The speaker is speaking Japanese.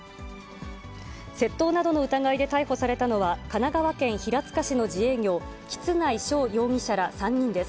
窃盗などの疑いで逮捕されたのは、神奈川県平塚市の自営業、橘内翔容疑者ら３人です。